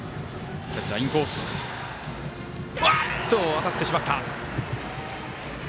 当たってしまった。